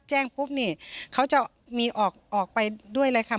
แจ้งปุ๊บนี่เขาจะมีออกไปด้วยเลยค่ะ